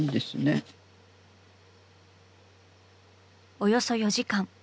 およそ４時間。